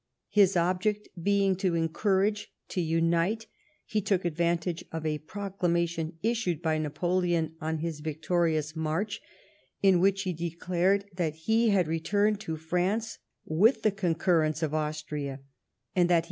His object being to encourage, to unite, he took advantage of a proclamation issued by Napoleon on his victorious march in which he declared that he had returned to France with the concurrence of Austria, and that he wor.